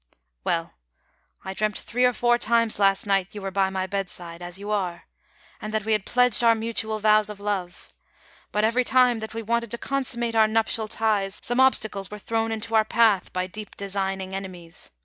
" Well, I dreamt three or four times last night you wero by my bedside, as j^ou are, and that we had pledged our mutual vows of love ; but, every time tliat we wanted to consummate our nuptial tics, some obstacles were thrown into our path by deep designing enemies.